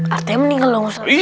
artinya meninggal ustadz